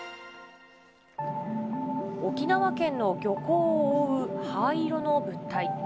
沖縄県の漁港を覆う灰色の物体。